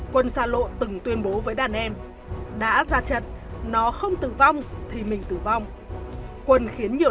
quân xa lộ từng tuyên bố với đàn em đã ra trận nó không tử vong thì mình tử vong quân khiến nhiều